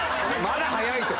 「まだ早い」と。